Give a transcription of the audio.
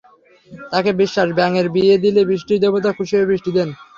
তাঁদের বিশ্বাস, ব্যাঙের বিয়ে দিলে বৃষ্টির দেবতা খুশি হয়ে বৃষ্টি দেন।